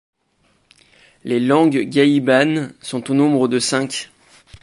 Les langues guahibanes sont au nombre de cinq.